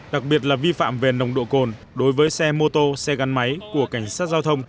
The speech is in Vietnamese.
đặc biệt là vi phạm về nồng độ cồn đối với xe mô tô xe gắn máy của cảnh sát giao thông